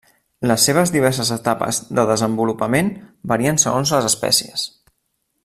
Les seves diverses etapes de desenvolupament varien segons les espècies.